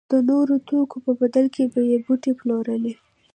د نورو توکو په بدل کې به یې بوټي پلورل.